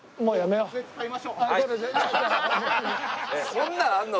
そんなんあるの？